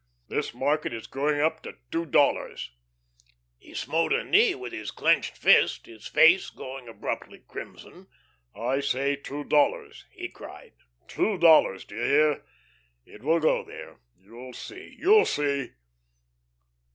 This market is going up to two dollars." He smote a knee with his clinched fist, his face going abruptly crimson. "I say two dollars," he cried. "Two dollars, do you hear? It will go there, you'll see, you'll see."